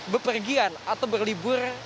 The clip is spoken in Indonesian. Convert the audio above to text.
berpergian atau berlibur